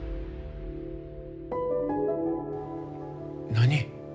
何？